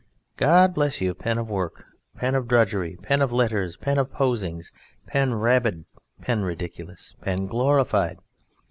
God bless you, pen of work, pen of drudgery, pen of letters, pen of posings, pen rabid, pen ridiculous, pen glorified.